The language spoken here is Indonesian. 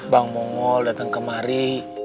bang mongol dateng kemari